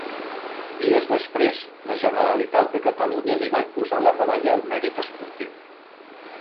Dies després, la Generalitat de Catalunya li va imposar la Medalla al Mèrit Esportiu.